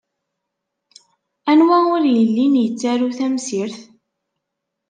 Anwa ur yellin yettaru tamsirt?